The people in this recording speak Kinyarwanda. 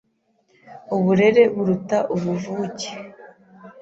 Uburere buruta ubuvuke